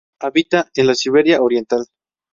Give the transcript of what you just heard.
Habita en la Siberia Oriental.